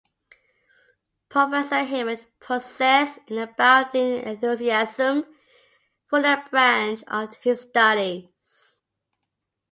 Professor Herriott possessed an abounding enthusiasm for that branch of his studies.